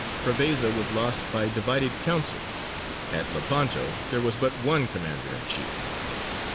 Prevesa was lost by divided counsels; at Lepanto there was but one commander in chief.